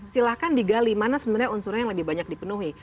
silahkan digali mana sebenarnya unsurnya yang lebih banyak dipenuhi